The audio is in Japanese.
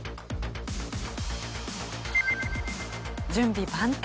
準備万端。